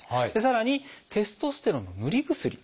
さらに「テストステロンの塗り薬」。